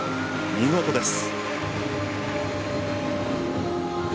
見事です。